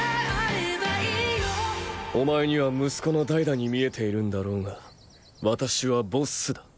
「お前には息子のダイダに見えているんだろうが私はボッスだ」